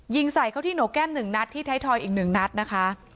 ยิงใส่เขาที่โหนกแก้ม๑นัดที่ไทยทอยอีก๑นัดนะคะ